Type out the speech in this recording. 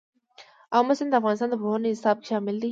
آمو سیند د افغانستان د پوهنې نصاب کې شامل دي.